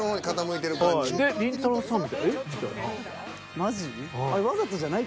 マジ？